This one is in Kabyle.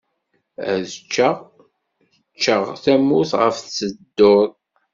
Ad k-ččeɣ, ččeɣ tamurt ɣef tettedduḍ.